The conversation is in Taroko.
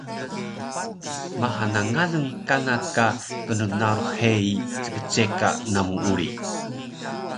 Maha na ngalun kana ka knnarux heyi ckceka namu uri